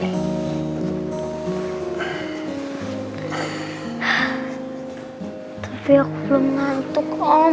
tapi aku belum ngantuk